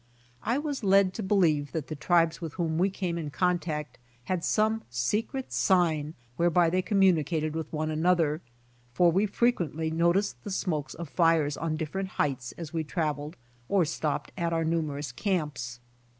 I was led to believe that the tribes with whom we came in contact had some secret sign whereby they communicated with one another, for we frequently noticed the smoke of fires on different heights as we traveled or stopped at our numerous camps.